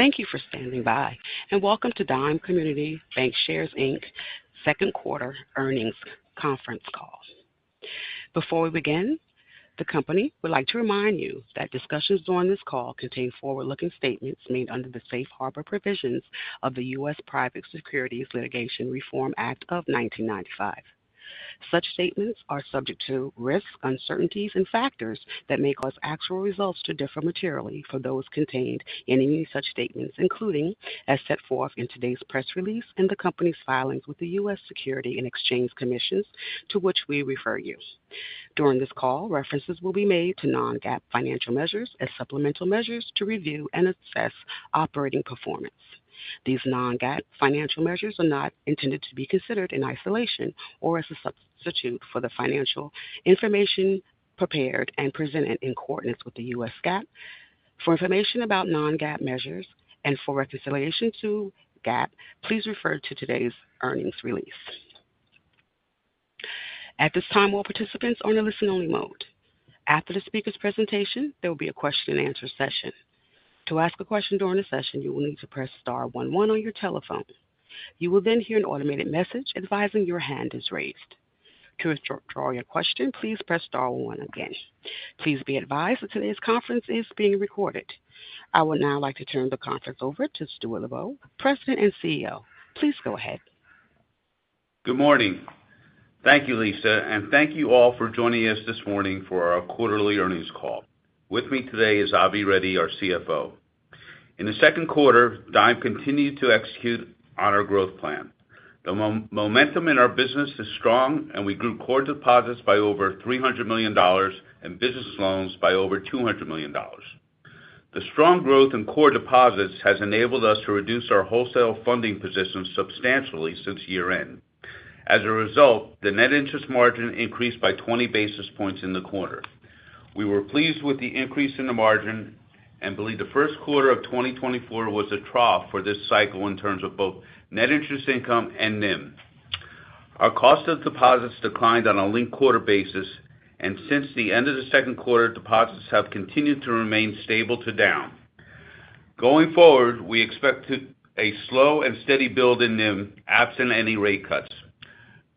Thank you for standing by, and welcome to Dime Community Bancshares, Inc second quarter earnings conference call. Before we begin, the company would like to remind you that discussions during this call contain forward-looking statements made under the Safe Harbor Provisions of the U.S. Private Securities Litigation Reform Act of 1995. Such statements are subject to risks, uncertainties, and factors that may cause actual results to differ materially from those contained in any such statements, including as set forth in today's press release and the company's filings with the U.S. Securities and Exchange Commission, to which we refer you. During this call, references will be made to non-GAAP financial measures as supplemental measures to review and assess operating performance. These non-GAAP financial measures are not intended to be considered in isolation or as a substitute for the financial information prepared and presented in accordance with the U.S. GAAP. For information about non-GAAP measures and for reconciliation to GAAP, please refer to today's earnings release. At this time, all participants are in a listen-only mode. After the speaker's presentation, there will be a question-and-answer session. To ask a question during the session, you will need to press star one one on your telephone. You will then hear an automated message advising your hand is raised. To withdraw your question, please press star one again. Please be advised that today's conference is being recorded. I would now like to turn the conference over to Stuart Lubow, President and CEO. Please go ahead. Good morning. Thank you, Lisa, and thank you all for joining us this morning for our quarterly earnings call. With me today is Avi Reddy, our CFO. In the second quarter, Dime continued to execute on our growth plan. The momentum in our business is strong, and we grew core deposits by over $300 million and business loans by over $200 million. The strong growth in core deposits has enabled us to reduce our wholesale funding position substantially since year-end. As a result, the net interest margin increased by 20 basis points in the quarter. We were pleased with the increase in the margin and believe the first quarter of 2024 was a trough for this cycle in terms of both net interest income and NIM. Our cost of deposits declined on a linked-quarter basis, and since the end of the second quarter, deposits have continued to remain stable to down. Going forward, we expect to a slow and steady build in NIM absent any rate cuts.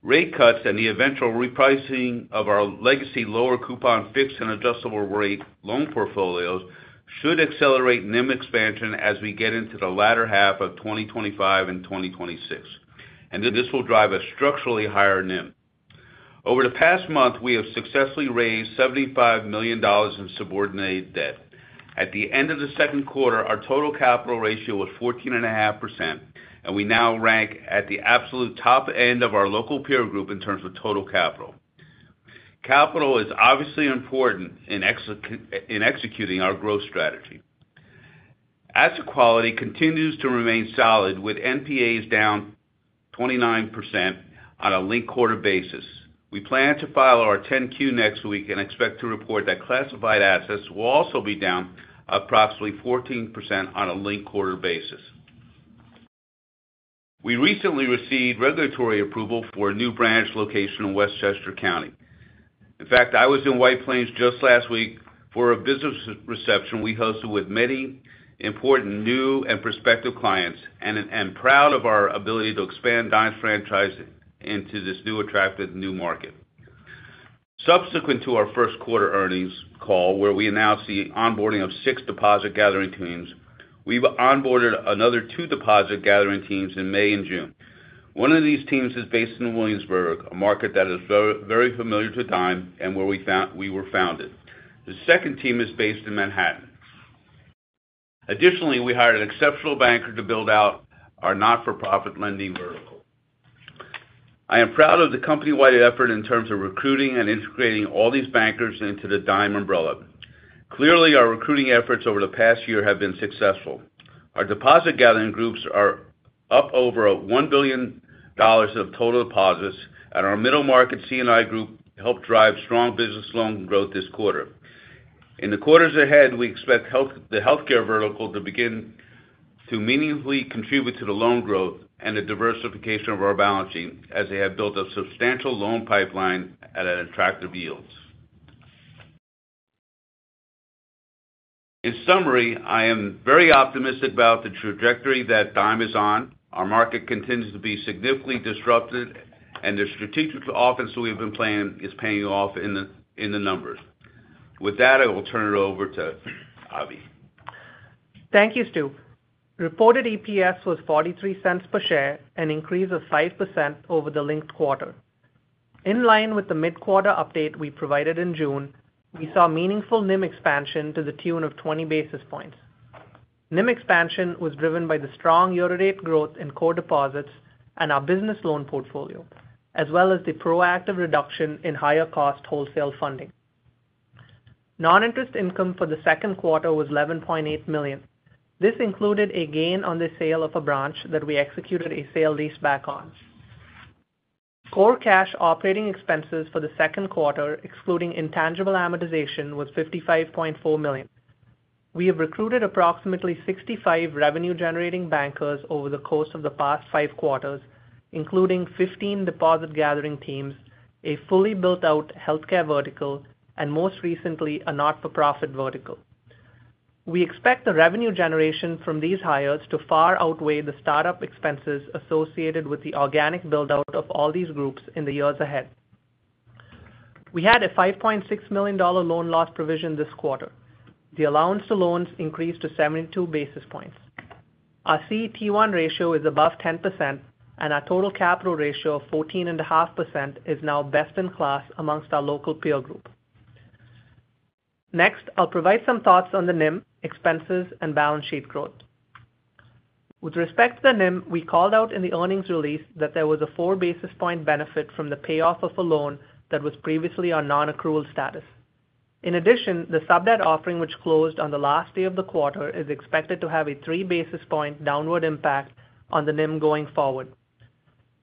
Rate cuts and the eventual repricing of our legacy lower coupon fixed and adjustable rate loan portfolios should accelerate NIM expansion as we get into the latter half of 2025 and 2026, and this will drive a structurally higher NIM. Over the past month, we have successfully raised $75 million in subordinated debt. At the end of the second quarter, our total capital ratio was 14.5%, and we now rank at the absolute top end of our local peer group in terms of total capital. Capital is obviously important in executing our growth strategy. Asset quality continues to remain solid, with NPAs down 29% on a linked-quarter basis. We plan to file our 10-Q next week and expect to report that classified assets will also be down approximately 14% on a linked-quarter basis. We recently received regulatory approval for a new branch location in Westchester County. In fact, I was in White Plains just last week for a business reception we hosted with many important new and prospective clients and proud of our ability to expand Dime's franchise into this new, attractive new market. Subsequent to our first quarter earnings call, where we announced the onboarding of six deposit gathering teams, we've onboarded another two deposit gathering teams in May and June. One of these teams is based in Williamsburg, a market that is very familiar to Dime and where we were founded. The second team is based in Manhattan. Additionally, we hired an exceptional banker to build out our not-for-profit lending vertical. I am proud of the company-wide effort in terms of recruiting and integrating all these bankers into the Dime umbrella. Clearly, our recruiting efforts over the past year have been successful. Our deposit gathering groups are up over $1 billion of total deposits, and our middle market C&I group helped drive strong business loan growth this quarter. In the quarters ahead, we expect the healthcare vertical to begin to meaningfully contribute to the loan growth and the diversification of our balance sheet, as they have built a substantial loan pipeline at an attractive yields. In summary, I am very optimistic about the trajectory that Dime is on. Our market continues to be significantly disrupted, and the strategic offense we've been playing is paying off in the numbers. With that, I will turn it over to Avi. Thank you, Stu. Reported EPS was $0.43 per share, an increase of 5% over the linked quarter. In line with the mid-quarter update we provided in June, we saw meaningful NIM expansion to the tune of 20 basis points. NIM expansion was driven by the strong year-to-date growth in core deposits and our business loan portfolio, as well as the proactive reduction in higher-cost wholesale funding. Non-interest income for the second quarter was $11.8 million. This included a gain on the sale of a branch that we executed a sale-leaseback on. Core cash operating expenses for the second quarter, excluding intangible amortization, was $55.4 million. We have recruited approximately 65 revenue-generating bankers over the course of the past five quarters, including 15 deposit gathering teams, a fully built out healthcare vertical, and most recently, a not-for-profit vertical. We expect the revenue generation from these hires to far outweigh the startup expenses associated with the organic build-out of all these groups in the years ahead. We had a $5.6 million loan loss provision this quarter. The allowance to loans increased to 72 basis points. Our CET1 ratio is above 10%, and our total capital ratio of 14.5% is now best in class amongst our local peer group. Next, I'll provide some thoughts on the NIM, expenses, and balance sheet growth. With respect to the NIM, we called out in the earnings release that there was a 4 basis point benefit from the payoff of a loan that was previously on non-accrual status. In addition, the sub-debt offering, which closed on the last day of the quarter, is expected to have a 3 basis points downward impact on the NIM going forward.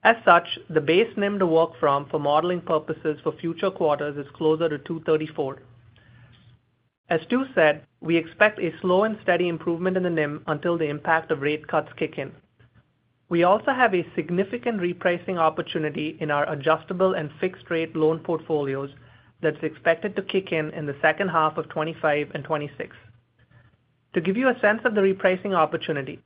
As such, the base NIM to work from for modeling purposes for future quarters is closer to 2.34. As Stu said, we expect a slow and steady improvement in the NIM until the impact of rate cuts kick in. We also have a significant repricing opportunity in our adjustable and fixed rate loan portfolios that's expected to kick in in the second half of 2025 and 2026. To give you a sense of the repricing opportunity,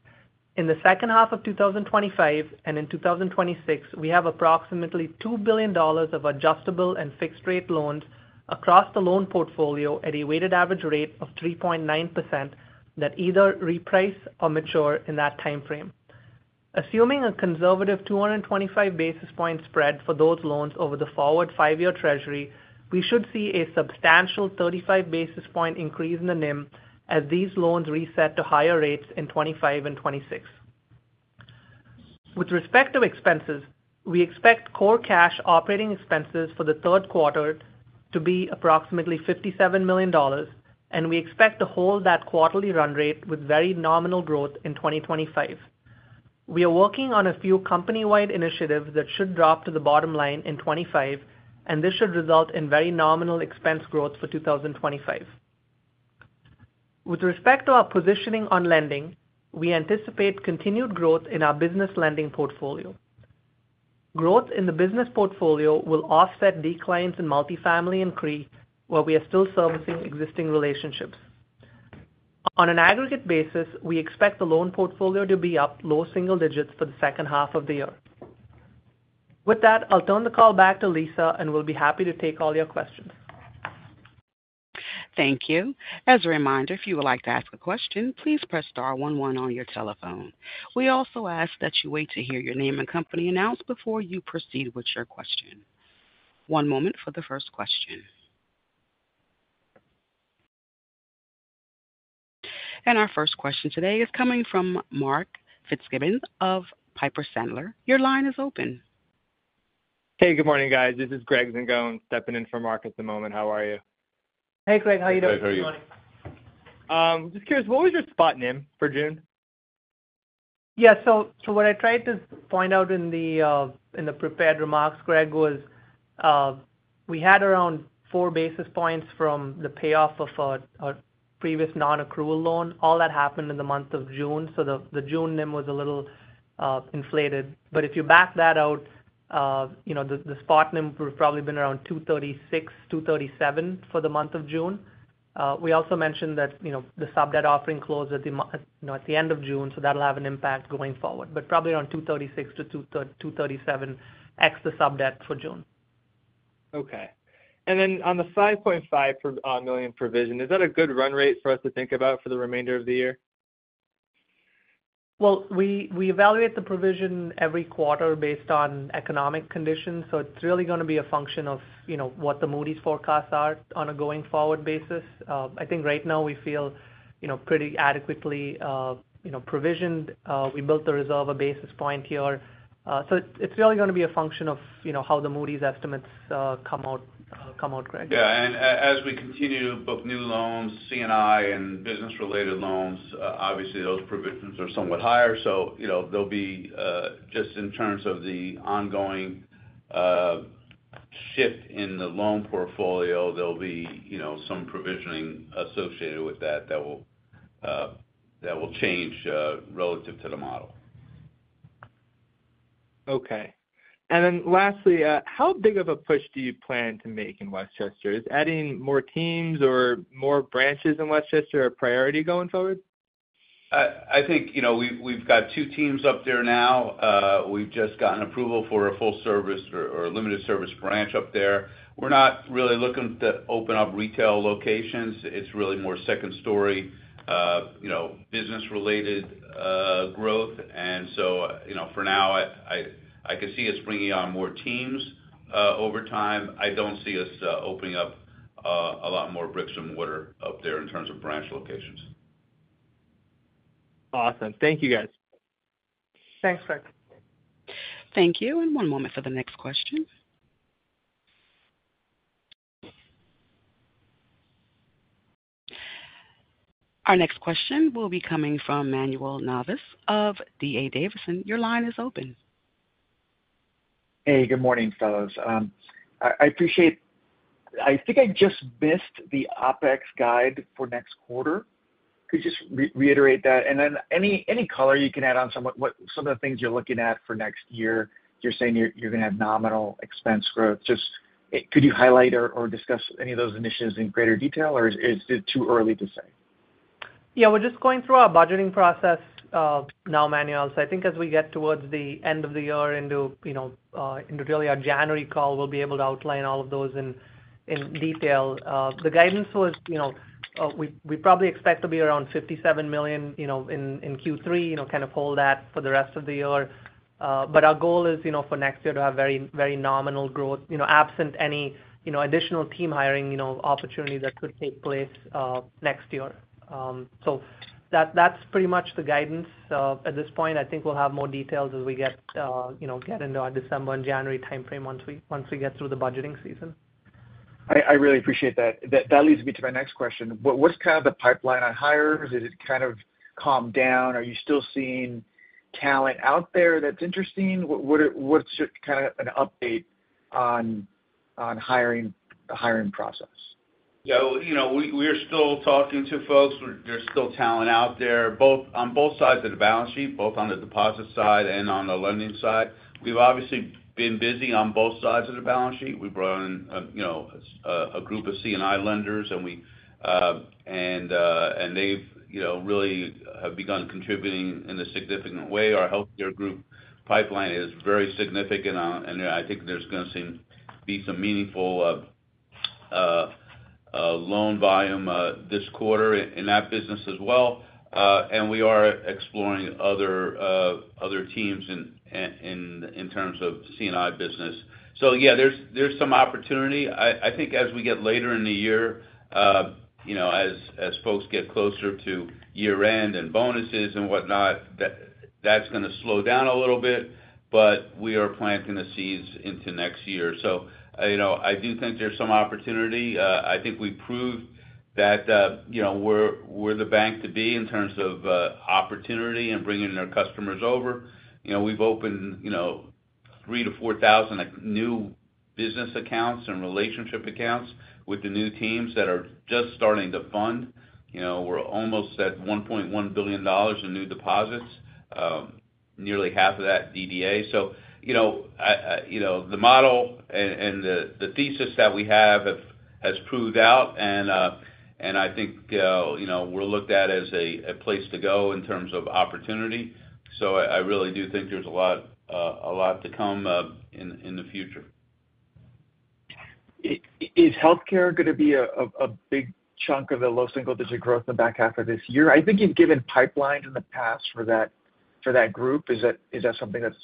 in the second half of 2025 and in 2026, we have approximately $2 billion of adjustable and fixed rate loans across the loan portfolio at a weighted average rate of 3.9% that either reprice or mature in that time frame. Assuming a conservative 225 basis point spread for those loans over the forward five-year Treasury, we should see a substantial 35 basis point increase in the NIM as these loans reset to higher rates in 2025 and 2026. With respect to expenses, we expect core cash operating expenses for the third quarter to be approximately $57 million, and we expect to hold that quarterly run rate with very nominal growth in 2025. We are working on a few company-wide initiatives that should drop to the bottom line in 2025, and this should result in very nominal expense growth for 2025. With respect to our positioning on lending, we anticipate continued growth in our business lending portfolio. Growth in the business portfolio will offset declines in multifamily and CRE, where we are still servicing existing relationships. On an aggregate basis, we expect the loan portfolio to be up low single digits for the second half of the year. With that, I'll turn the call back to Lisa, and we'll be happy to take all your questions. Thank you. As a reminder, if you would like to ask a question, please press star one one on your telephone. We also ask that you wait to hear your name and company announced before you proceed with your question. One moment for the first question. Our first question today is coming from Mark Fitzgibbon of Piper Sandler. Your line is open. Hey, good morning, guys. This is Greg Zingone stepping in for Mark at the moment. How are you? Hey, Greg. How you doing? Hey, Greg, how are you? Just curious, what was your spot NIM for June? Yeah, so what I tried to point out in the prepared remarks, Greg, was we had around 4 basis points from the payoff of our previous non-accrual loan. All that happened in the month of June, so the June NIM was a little inflated. But if you back that out, you know, the spot NIM would probably been around 2.36-2.37 for the month of June. We also mentioned that, you know, the sub-debt offering closed at the month, you know, at the end of June, so that'll have an impact going forward, but probably around 2.36-2.37 ex the sub-debt for June. Okay. And then on the $5.5 million provision, is that a good run rate for us to think about for the remainder of the year? Well, we evaluate the provision every quarter based on economic conditions, so it's really gonna be a function of, you know, what the Moody’s forecasts are on a going-forward basis. I think right now we feel, you know, pretty adequately, you know, provisioned. We built the reserve a basis point here. So it's really gonna be a function of, you know, how the Moody’s estimates come out, come out, Greg. Yeah, and as we continue to book new loans, C&I and business-related loans, obviously, those provisions are somewhat higher. So, you know, there'll be, just in terms of the ongoing, shift in the loan portfolio, there'll be, you know, some provisioning associated with that, that will, that will change, relative to the model. Okay. And then lastly, how big of a push do you plan to make in Westchester? Is adding more teams or more branches in Westchester a priority going forward? I think, you know, we've got two teams up there now. We've just gotten approval for a full service or a limited service branch up there. We're not really looking to open up retail locations. It's really more second story, you know, business-related growth. And so, you know, for now, I could see us bringing on more teams over time. I don't see us opening up a lot more bricks and mortar up there in terms of branch locations. Awesome. Thank you, guys. Thanks, Greg. Thank you, and one moment for the next question. Our next question will be coming from Manuel Navas of D.A. Davidson. Your line is open. Hey, good morning, fellows. I appreciate. I think I just missed the OpEx guide for next quarter. Could you just reiterate that? And then any color you can add on some of the things you're looking at for next year. You're saying you're gonna have nominal expense growth. Just, could you highlight or discuss any of those initiatives in greater detail, or is it too early to say? Yeah, we're just going through our budgeting process now, Manuel. So I think as we get towards the end of the year into, you know, into really our January call, we'll be able to outline all of those in, in detail. The guidance was, you know, we, we probably expect to be around $57 million, you know, in, in Q3, you know, kind of hold that for the rest of the year. But our goal is, you know, for next year to have very, very nominal growth, you know, absent any, you know, additional team hiring, you know, opportunity that could take place next year. So that's pretty much the guidance. At this point, I think we'll have more details as we get, you know, get into our December and January timeframe once we get through the budgeting season. I really appreciate that. That leads me to my next question. What's kind of the pipeline on hires? Has it kind of calmed down? Are you still seeing talent out there that's interesting? What's just kind of an update on hiring, the hiring process? Yeah, well, you know, we're still talking to folks. There's still talent out there, both on both sides of the balance sheet, both on the deposit side and on the lending side. We've obviously been busy on both sides of the balance sheet. We brought on, you know, a group of C&I lenders, and they've, you know, really have begun contributing in a significant way. Our Healthcare Group pipeline is very significant, and I think there's gonna be some meaningful loan volume this quarter in that business as well. And we are exploring other teams in terms of C&I business. So yeah, there's some opportunity. I think as we get later in the year, you know, as folks get closer to year end and bonuses and whatnot, that's gonna slow down a little bit, but we are planting the seeds into next year. So, you know, I do think there's some opportunity. I think we've proved that, you know, we're the bank to be in terms of opportunity and bringing our customers over. You know, we've opened, you know, 3,000-4,000 new business accounts and relationship accounts with the new teams that are just starting to fund. You know, we're almost at $1.1 billion in new deposits, nearly half of that DDA. So, you know, the model and the thesis that we have has proved out, and I think, you know, we're looked at as a place to go in terms of opportunity. So I really do think there's a lot, a lot to come, in the future. Is Healthcare gonna be a big chunk of the low single-digit growth in the back half of this year? I think you've given pipeline in the past for that, for that group. Is that something that's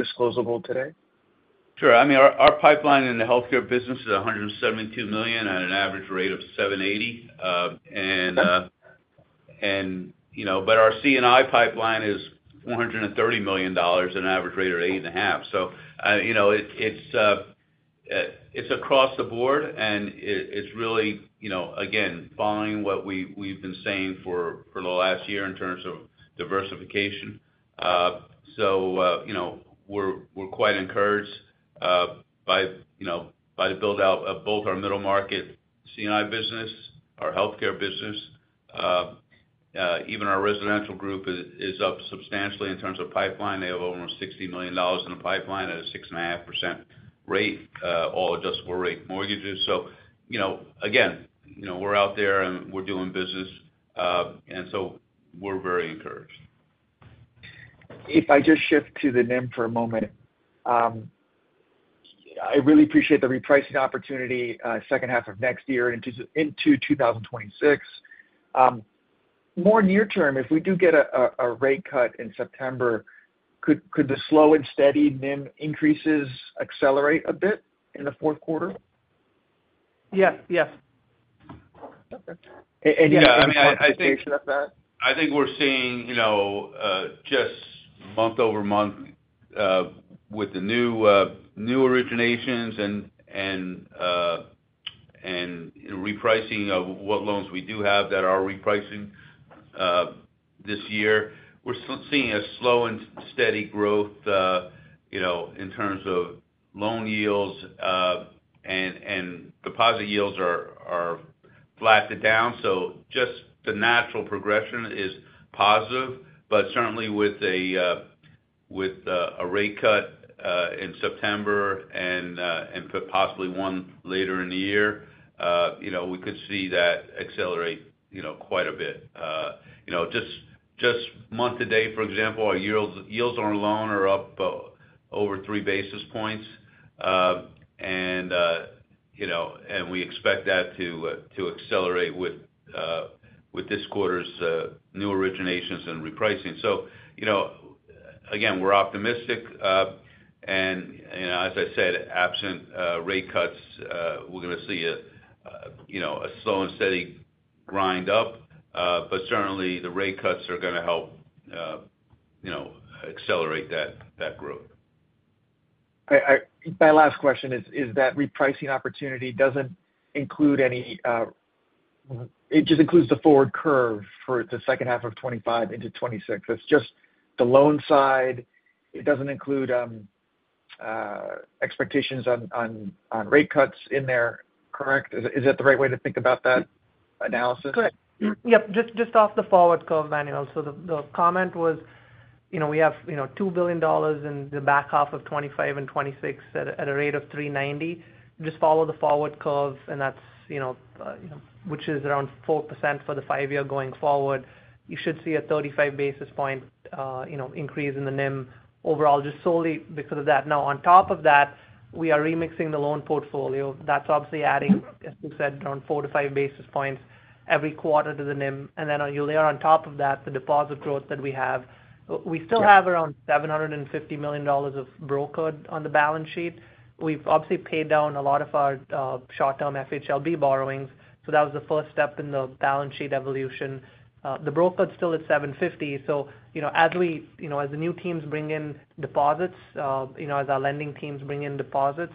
disclosable today? Sure. I mean, our pipeline in the Healthcare business is $172 million at an average rate of 7.80%. And, you know, but our C&I pipeline is $430 million, an average rate of 8.5%. So, you know, it's across the board, and it's really, you know, again, following what we've been saying for the last year in terms of diversification. So, you know, we're quite encouraged by the build-out of both our middle market C&I business, our Healthcare business. Even our residential group is up substantially in terms of pipeline. They have over $60 million in the pipeline at a 6.5% rate, all adjustable-rate mortgages. You know, again, you know, we're out there, and we're doing business. So we're very encouraged. If I just shift to the NIM for a moment, I really appreciate the repricing opportunity, second half of next year into 2026. More near term, if we do get a rate cut in September, could the slow and steady NIM increases accelerate a bit in the fourth quarter? Yes, yes. Okay. Yeah, I mean, I think- Confirmation of that? I think we're seeing, you know, just month-over-month, with the new, new originations and, and, and repricing of what loans we do have that are repricing, this year, we're seeing a slow and steady growth, you know, in terms of loan yields, and, and deposit yields are, are flattened down. So just the natural progression is positive, but certainly with a, with, a rate cut, in September and, and possibly one later in the year, you know, we could see that accelerate, you know, quite a bit. You know, just, just month-to-date, for example, our yields, yields on our loan are up, over three basis points. And, you know, and we expect that to, to accelerate with, with this quarter's, new originations and repricing. So, you know, again, we're optimistic. And, you know, as I said, absent rate cuts, we're gonna see a, you know, a slow and steady grind up. But certainly, the rate cuts are gonna help, you know, accelerate that, that growth. My last question is, is that repricing opportunity doesn't include any... ... It just includes the forward curve for the second half of 2025 into 2026. That's just the loan side. It doesn't include expectations on rate cuts in there, correct? Is that the right way to think about that analysis? Correct. Yep, just off the forward curve, Manuel. So the comment was, you know, we have, you know, $2 billion in the back half of 2025 and 2026 at a rate of 3.90. Just follow the forward curve, and that's, you know, which is around 4% for the five-year going forward. You should see a 35 basis point increase in the NIM overall, just solely because of that. Now, on top of that, we are remixing the loan portfolio. That's obviously adding, as we said, around 4 basis points-5 basis points every quarter to the NIM. And then, you layer on top of that, the deposit growth that we have. We still have around $750 million of brokered on the balance sheet. We've obviously paid down a lot of our short-term FHLB borrowings, so that was the first step in the balance sheet evolution. The brokered is still at 7.50, so you know, as we—you know, as the new teams bring in deposits, as our lending teams bring in deposits,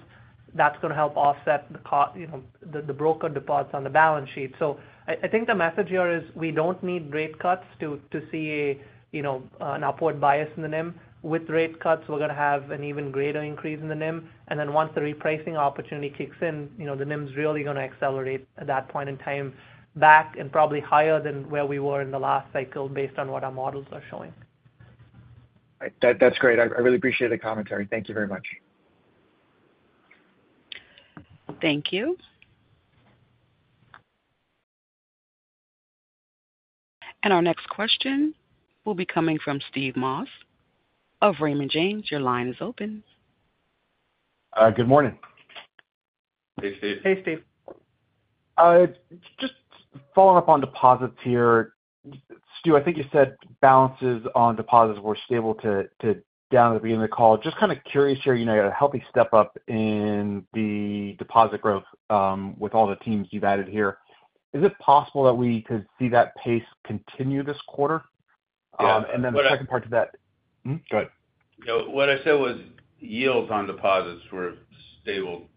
that's gonna help offset the cost, you know, the brokered deposits on the balance sheet. So I think the message here is we don't need rate cuts to see, you know, an upward bias in the NIM. With rate cuts, we're gonna have an even greater increase in the NIM. And then once the repricing opportunity kicks in, you know, the NIM is really gonna accelerate at that point in time, back and probably higher than where we were in the last cycle, based on what our models are showing. All right. That's great. I really appreciate the commentary. Thank you very much. Thank you. Our next question will be coming from Steve Moss of Raymond James. Your line is open. Good morning. Hey, Steve. Hey, Steve. Just following up on deposits here. Stu, I think you said balances on deposits were stable to down at the beginning of the call. Just kind of curious here, you know, you had a healthy step up in the deposit growth, with all the teams you've added here. Is it possible that we could see that pace continue this quarter? Yeah. And then the second part to that- Mm-hmm, go ahead. You know, what I said was yields on deposits were stable,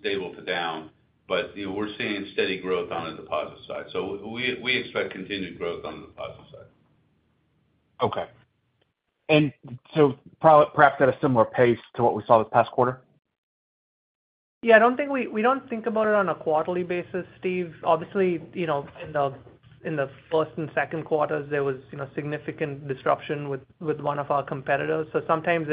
stable to down, but, you know, we're seeing steady growth on the deposit side, so we expect continued growth on the deposit side. Okay. And so perhaps at a similar pace to what we saw this past quarter? Yeah, I don't think we don't think about it on a quarterly basis, Steve. Obviously, you know, in the first and second quarters, there was, you know, significant disruption with one of our competitors. So sometimes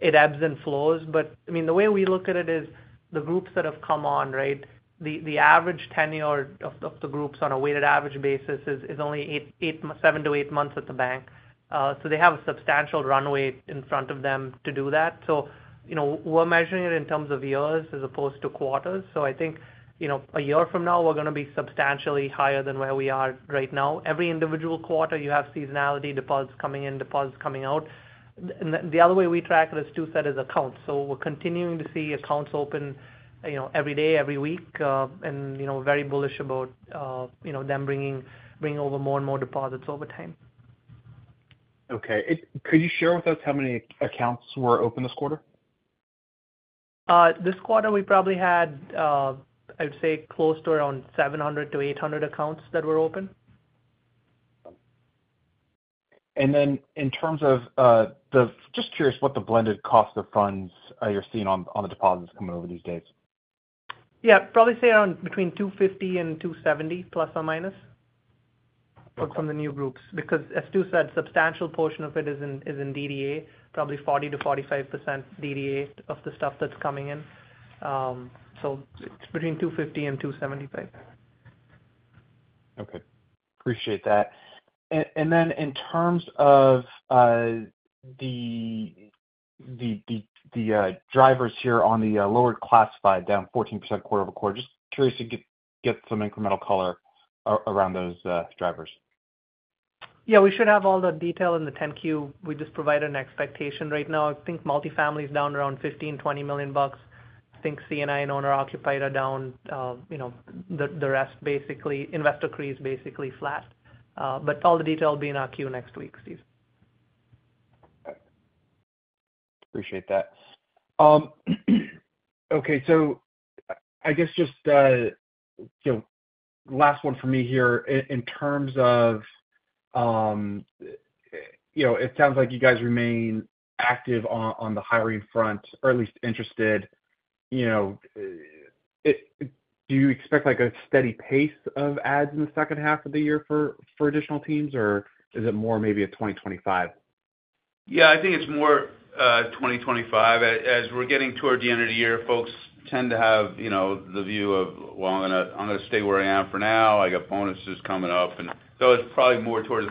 it ebbs and flows. But, I mean, the way we look at it is the groups that have come on, right? The average tenure of the groups on a weighted average basis is only 7 months-8 months at the bank. So they have a substantial runway in front of them to do that. So, you know, we're measuring it in terms of years as opposed to quarters. So I think, you know, a year from now, we're gonna be substantially higher than where we are right now. Every individual quarter, you have seasonality, deposits coming in, deposits coming out. the other way we track this, too, Stu, it's accounts. So we're continuing to see accounts open, you know, every day, every week, and, you know, very bullish about, you know, them bringing, bringing over more and more deposits over time. Okay. Could you share with us how many accounts were opened this quarter? This quarter we probably had, I'd say, close to around 700-800 accounts that were opened. Just curious what the blended cost of funds you're seeing on the deposits coming over these days? Yeah, probably say around between 250 and 270 ±- Okay... from the new groups. Because as Stu said, substantial portion of it is in DDA, probably 40%-45% DDA of the stuff that's coming in. So it's between 250 and 275. Okay, appreciate that. And then in terms of the drivers here on the lower classified, down 14% quarter-over-quarter, just curious to get some incremental color around those drivers. Yeah, we should have all the detail in the 10-Q. We just provide an expectation right now. I think multifamily is down around $15 million-$20 million. I think C&I and owner-occupied are down, you know, the rest, basically. Investor CRE is basically flat, but all the detail will be in our 10-Q next week, Steve. Appreciate that. Okay, so I guess just, you know, last one for me here. In terms of, you know, it sounds like you guys remain active on, on the hiring front or at least interested, you know... Do you expect, like, a steady pace of ads in the second half of the year for, for additional teams, or is it more maybe a 2025? Yeah, I think it's more 2025. As we're getting toward the end of the year, folks tend to have, you know, the view of, well, I'm gonna, I'm gonna stay where I am for now. I got bonuses coming up. And so it's probably more towards,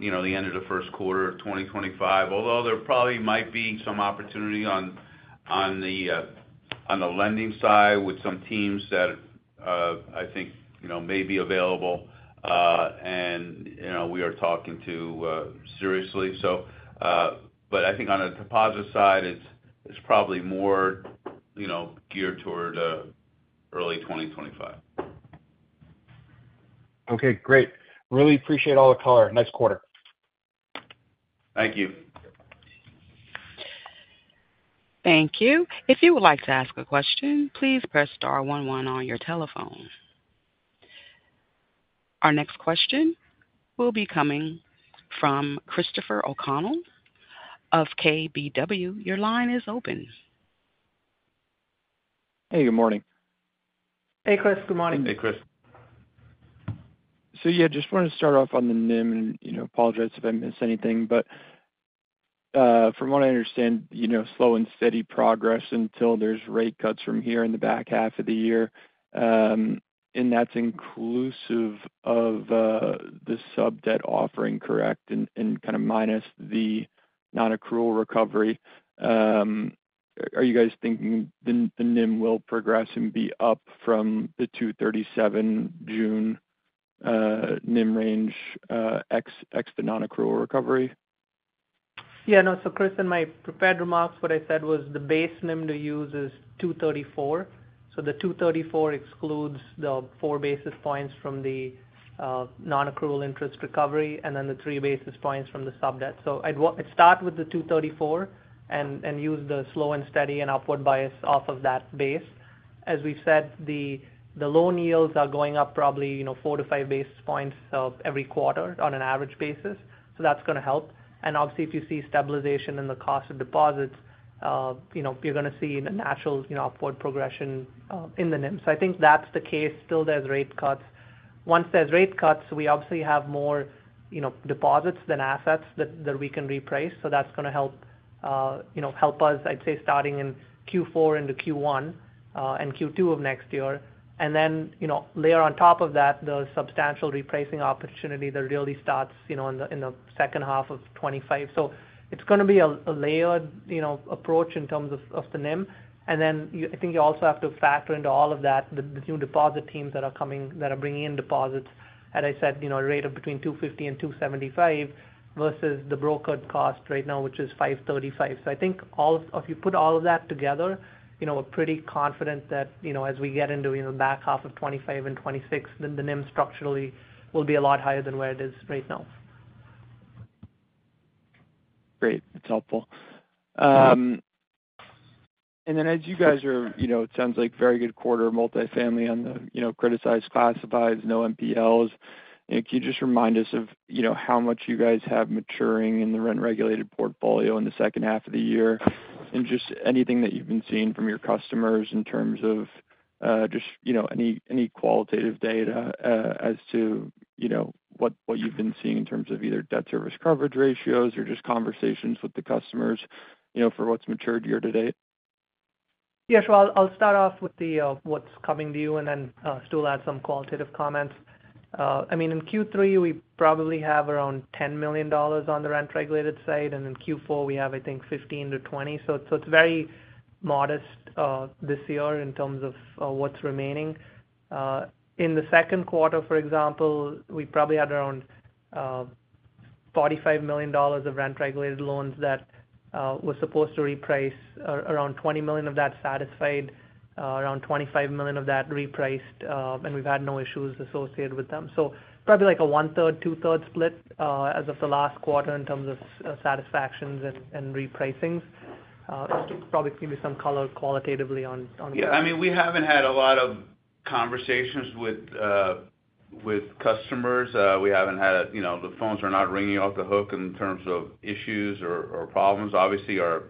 you know, the end of the first quarter of 2025. Although there probably might be some opportunity on the lending side with some teams that, I think, you know, may be available, and, you know, we are talking to seriously. So, but I think on a deposit side, it's probably more, you know, geared toward early 2025. Okay, great. Really appreciate all the color. Nice quarter. Thank you. ... Thank you. If you would like to ask a question, please press star one one on your telephone. Our next question will be coming from Christopher O’Connell of KBW. Your line is open. Hey, good morning. Hey, Chris. Good morning. Hey, Chris. So yeah, just wanted to start off on the NIM and, you know, apologize if I miss anything, but from what I understand, you know, slow and steady progress until there's rate cuts from here in the back half of the year. And that's inclusive of the sub debt offering, correct? And kind of minus the non-accrual recovery. Are you guys thinking the NIM will progress and be up from the 2.37% June NIM range, ex the non-accrual recovery? Yeah, no. So Chris, in my prepared remarks, what I said was the base NIM to use is 2.34. So the 2.34 excludes the 4 basis points from the non-accrual interest recovery and then the 3 basis points from the sub-debt. So I'd start with the 2.34 and use the slow and steady and upward bias off of that base. As we've said, the loan yields are going up probably, you know, 4 basis points-5 basis points of every quarter on an average basis, so that's going to help. And obviously, if you see stabilization in the cost of deposits, you know, you're going to see a natural, you know, upward progression in the NIM. So I think that's the case till there's rate cuts. Once there's rate cuts, we obviously have more, you know, deposits than assets that we can reprice. So that's going to help, you know, help us, I'd say, starting in Q4 into Q1 and Q2 of next year. And then, you know, layer on top of that, the substantial repricing opportunity that really starts, you know, in the second half of 2025. So it's going to be a layered, you know, approach in terms of the NIM. And then I think you also have to factor into all of that, the new deposit teams that are coming, that are bringing in deposits. As I said, you know, a rate of between 2.50 and 2.75 versus the brokered cost right now, which is 5.35. So I think if you put all of that together, you know, we're pretty confident that, you know, as we get into, you know, back half of 2025 and 2026, then the NIM structurally will be a lot higher than where it is right now. Great. That's helpful. And then as you guys are... You know, it sounds like very good quarter multifamily on the, you know, criticized, classifieds, no NPLs. And can you just remind us of, you know, how much you guys have maturing in the rent-regulated portfolio in the second half of the year? And just anything that you've been seeing from your customers in terms of, just, you know, any qualitative data, as to, you know, what you've been seeing in terms of either debt service coverage ratios or just conversations with the customers, you know, for what's matured year to date? Yeah. So I'll, I'll start off with the, what's coming to you and then, Stu will add some qualitative comments. I mean, in Q3, we probably have around $10 million on the rent-regulated side, and in Q4 we have, I think, $15 million to $20 million. So, so it's very modest, this year in terms of, what's remaining. In the second quarter, for example, we probably had around, $45 million of rent-regulated loans that, were supposed to reprice. Around $20 million of that satisfied, around $25 million of that repriced, and we've had no issues associated with them. So probably like a one third, two third split, as of the last quarter in terms of, satisfactions and, repricings. Probably give you some color qualitatively on, that. Yeah, I mean, we haven't had a lot of conversations with, with customers. We haven't had... You know, the phones are not ringing off the hook in terms of issues or, or problems. Obviously, our,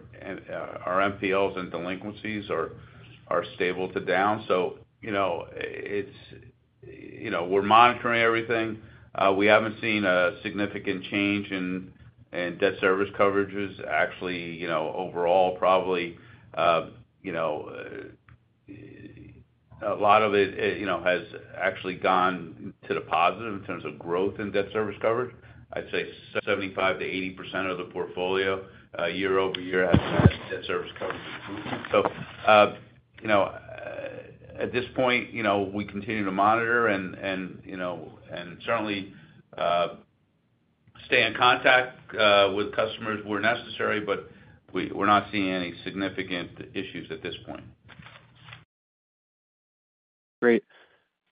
our NPLs and delinquencies are, are stable to down. So, you know, it's-- you know, we're monitoring everything. We haven't seen a significant change in, in debt service coverages. Actually, you know, overall, probably, a lot of it, it, you know, has actually gone to the positive in terms of growth in debt service coverage. I'd say 75%-80% of the portfolio, year-over-year has had debt service coverage. You know, at this point, you know, we continue to monitor and you know and certainly stay in contact with customers where necessary, but we're not seeing any significant issues at this point. Great.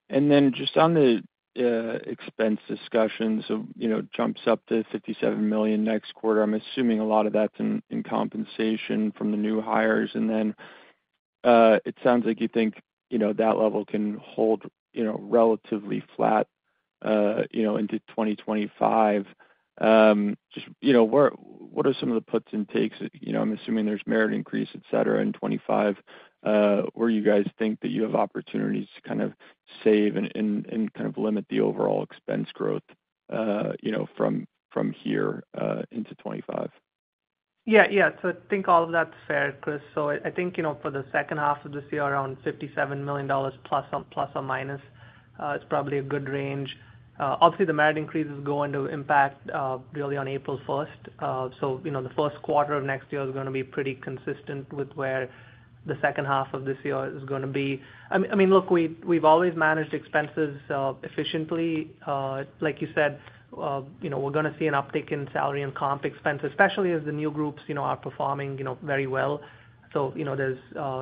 And then just on the expense discussions of, you know, jumps up to $57 million next quarter. I'm assuming a lot of that's in compensation from the new hires. And then it sounds like you think, you know, that level can hold, you know, relatively flat, you know, into 2025. Just, you know, what are some of the puts and takes? You know, I'm assuming there's merit increase, et cetera, in 2025. Where you guys think that you have opportunities to kind of save and kind of limit the overall expense growth, you know, from here into 2025?... Yeah, yeah. So I think all of that's fair, Chris. So I think, you know, for the second half of this year, around $57 million plus or minus is probably a good range. Obviously, the merit increases are going to impact really on April 1st. So, you know, the first quarter of next year is gonna be pretty consistent with where the second half of this year is gonna be. I mean, look, we've, we've always managed expenses efficiently. Like you said, you know, we're gonna see an uptick in salary and comp expense, especially as the new groups, you know, are performing, you know, very well. So, you know, there's,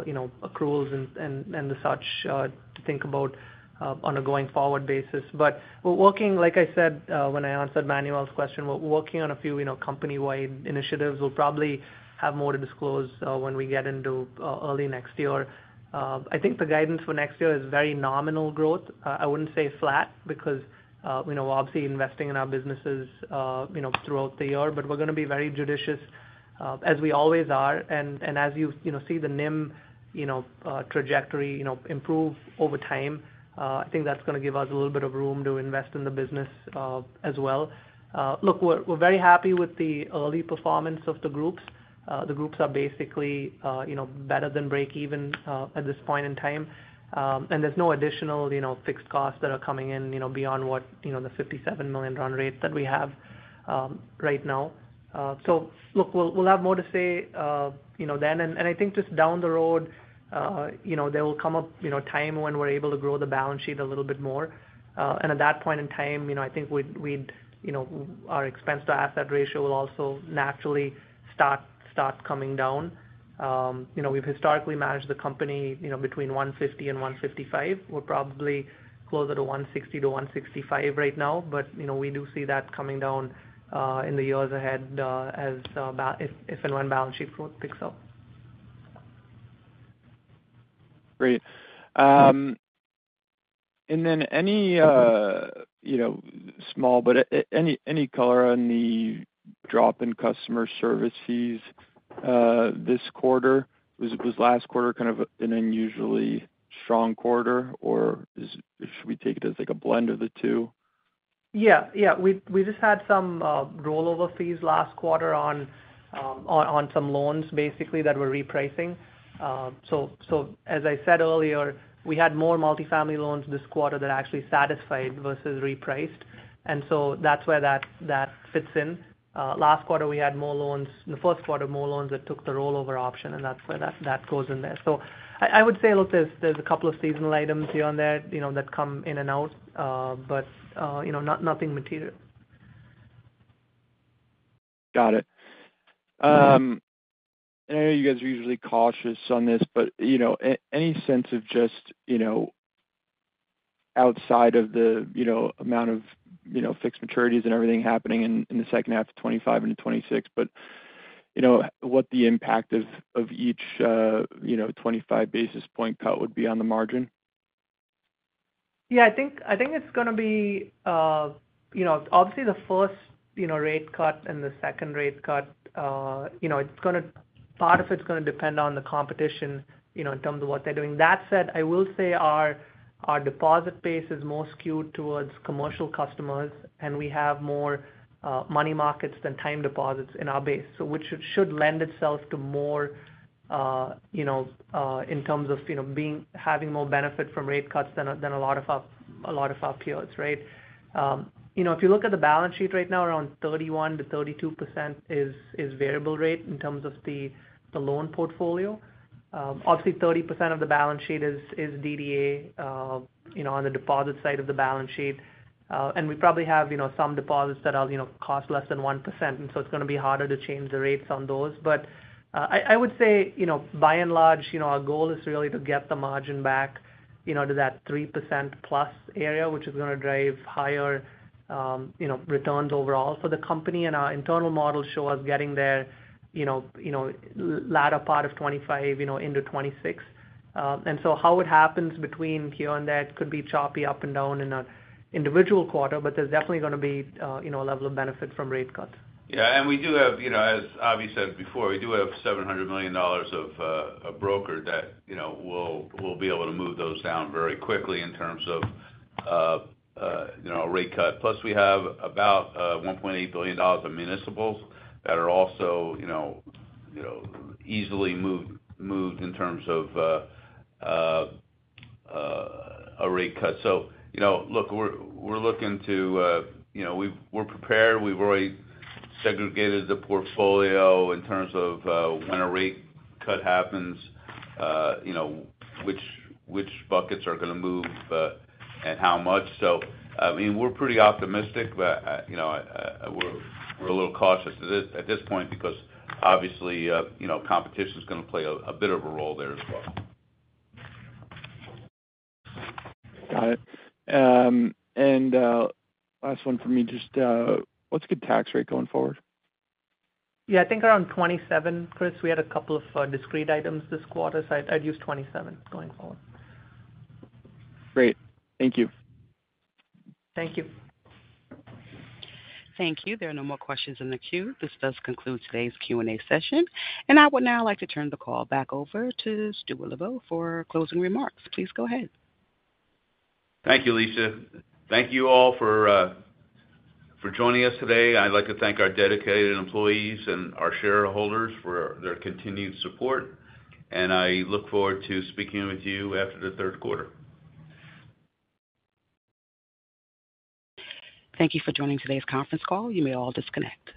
you know, accruals and the such to think about on a going-forward basis. But we're working, like I said, when I answered Manuel's question, we're working on a few, you know, company-wide initiatives. We'll probably have more to disclose, when we get into early next year. I think the guidance for next year is very nominal growth. I wouldn't say flat because we know we're obviously investing in our businesses, you know, throughout the year, but we're gonna be very judicious, as we always are. And as you, you know, see the NIM, you know, trajectory, you know, improve over time, I think that's gonna give us a little bit of room to invest in the business, as well. Look, we're very happy with the early performance of the groups. The groups are basically, you know, better than break even, at this point in time. And there's no additional, you know, fixed costs that are coming in, you know, beyond what, you know, the $57 million run rate that we have, right now. So look, we'll, we'll have more to say, you know, then. And, and I think just down the road, you know, there will come up, you know, a time when we're able to grow the balance sheet a little bit more. And at that point in time, you know, I think we'd, we'd, you know, our expense-to-asset ratio will also naturally start, start coming down. You know, we've historically managed the company, you know, between 150 and 155. We're probably closer to 160-165 right now, but, you know, we do see that coming down in the years ahead, as if and when balance sheet growth picks up. Great. And then any, you know, small but any color on the drop in customer service fees this quarter? Was last quarter kind of an unusually strong quarter, or should we take it as, like, a blend of the two? Yeah, yeah. We just had some rollover fees last quarter on some loans basically that we're repricing. So as I said earlier, we had more multifamily loans this quarter that actually satisfied versus repriced, and so that's where that fits in. Last quarter, we had more loans... In the first quarter, more loans that took the rollover option, and that's where that goes in there. So I would say, look, there's a couple of seasonal items here and there, you know, that come in and out, but you know, nothing material. Got it. I know you guys are usually cautious on this, but, you know, any sense of just, you know, outside of the, you know, amount of, you know, fixed maturities and everything happening in, in the second half of 2025 into 2026, but you know, what the impact of, of each, you know, 25 basis point cut would be on the margin? Yeah, I think, I think it's gonna be, you know, obviously the first, you know, rate cut and the second rate cut, you know, it's gonna-- part of it's gonna depend on the competition, you know, in terms of what they're doing. That said, I will say our, our deposit base is more skewed towards commercial customers, and we have more, money markets than time deposits in our base. So which should lend itself to more, you know, in terms of, you know, being-- having more benefit from rate cuts than a, than a lot of our, a lot of our peers, right? You know, if you look at the balance sheet right now, around 31%-32% is, is variable rate in terms of the, the loan portfolio. Obviously, 30% of the balance sheet is DDA, you know, on the deposit side of the balance sheet. And we probably have, you know, some deposits that are, you know, cost less than 1%, and so it's gonna be harder to change the rates on those. But, I would say, you know, by and large, you know, our goal is really to get the margin back, you know, to that 3% plus area, which is gonna drive higher, you know, returns overall for the company. And our internal models show us getting there, you know, you know, latter part of 2025, you know, into 2026. How it happens between here and there could be choppy up and down in an individual quarter, but there's definitely gonna be, you know, a level of benefit from rate cuts. Yeah, and we do have, you know, as Avi said before, we do have $700 million of brokered that, you know, we'll, we'll be able to move those down very quickly in terms of, you know, a rate cut. Plus, we have about, $1.8 billion of municipals that are also, you know, you know, easily moved, moved in terms of, a rate cut. So, you know, look, we're, we're looking to, you know, we've-- we're prepared. We've already segregated the portfolio in terms of, when a rate cut happens, you know, which, which buckets are gonna move, and how much. So, I mean, we're pretty optimistic, but, you know, we're a little cautious at this point, because obviously, you know, competition's gonna play a bit of a role there as well. Got it. And last one for me, just what's a good tax rate going forward? Yeah, I think around 27, Chris. We had a couple of discrete items this quarter, so I'd, I'd use 27 going forward. Great. Thank you. Thank you. Thank you. There are no more questions in the queue. This does conclude today's Q&A session, and I would now like to turn the call back over to Stuart Lubow for closing remarks. Please go ahead. Thank you, Lisa. Thank you all for joining us today. I'd like to thank our dedicated employees and our shareholders for their continued support, and I look forward to speaking with you after the third quarter. Thank you for joining today's conference call. You may all disconnect.